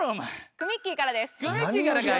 くみっきーからかい。